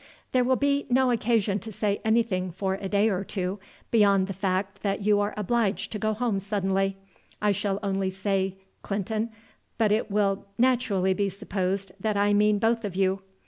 "There will be no occasion to say anything for a day or two beyond the fact that you are obliged to go home suddenly. I shall only say Clinton, but it will naturally be supposed that I mean both of you.